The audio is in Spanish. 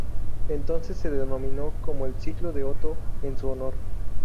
Entonces se denominó como el ""ciclo de Otto"" en su honor.